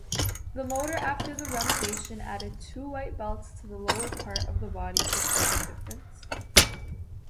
The motor after the renovation added two white belts to the lower part of the body to show the difference.